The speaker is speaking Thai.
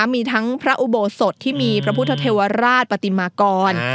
มีทั้งพระอุโบสถที่มีพระพุทธเทวราชปฏิมากร